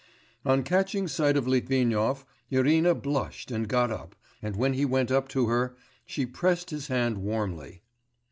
On catching sight of Litvinov, Irina blushed and got up, and when he went up to her, she pressed his hand warmly.